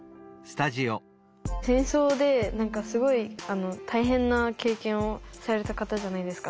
戦争で何かすごい大変な経験をされた方じゃないですか。